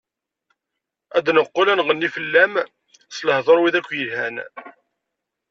Ad neqqel ad nɣenni fell-am, s lehduṛ wid-ak yelhan.